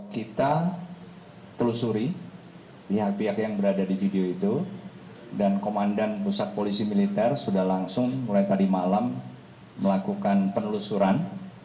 kita telusuri pihak pihak yang berada di video itu dan komandan pusat polisi militer sudah langsung mulai tadi malam melakukan penelusuran